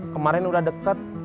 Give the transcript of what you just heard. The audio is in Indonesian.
kemarin udah deket